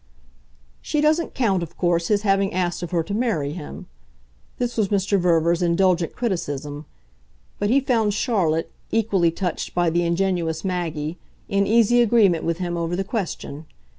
"She doesn't count of course his having asked of her to marry him" this was Mr. Verver's indulgent criticism; but he found Charlotte, equally touched by the ingenuous Maggie, in easy agreement with him over the question.